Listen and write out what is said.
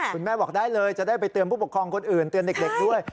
คุณแม่บอกได้เลยจะได้ไปเตือนผู้ปกครองคนอื่นเตือนเด็กด้วย